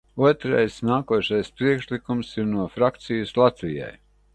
"Otrais, nākošais, priekšlikums ir no frakcijas "Latvijai"."